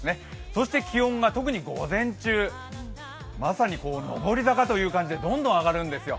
そして気温が特に午前中、まさに上り坂という感じでどんどん上がるんですよ。